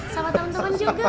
sama temen temen juga pak